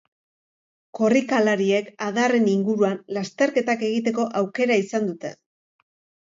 Korrikalariek adarren inguruan lasterketak egiteko aukera izan dute.